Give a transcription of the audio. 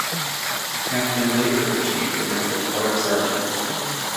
Hampton later achieved the rank of colour sergeant.